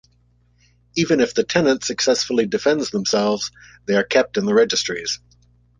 Even if the tenant successfully defends themselves, they are kept in the registries.